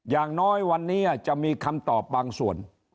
อย่างน้อยวันนี้จะมีคำตอบบางส่วน